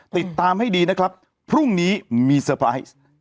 ติดตามให้ดีนะครับพรุ่งนี้มีเซอร์ไพรส์